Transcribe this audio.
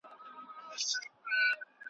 چی یې ځانونه مرګي ته سپر کړل ,